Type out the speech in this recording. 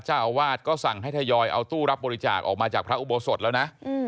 เจ้าอาวาสก็สั่งให้ทยอยเอาตู้รับบริจาคออกมาจากพระอุโบสถแล้วนะ